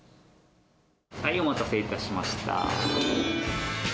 はい、お待たせいたしました。